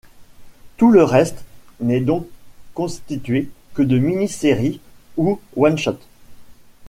Tout le reste n’est donc constitué que de mini séries ou one shot.